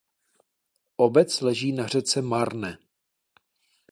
Obec leží na řece Marne.